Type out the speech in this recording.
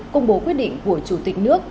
công bố quyết định của chủ tịch nước